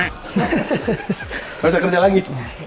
nggak usah kerja lagi